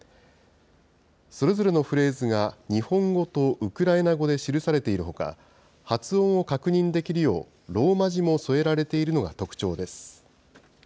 それぞれのフレーズが日本語とウクライナ語で記されているほか、発音を確認できるよう、ローマ字も添えられているのが特徴です。